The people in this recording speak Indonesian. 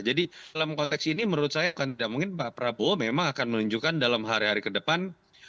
jadi dalam konteks ini menurut saya tidak mungkin pak prabowo akan menunjukkan dalam hari hari ke depan